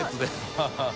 ハハハ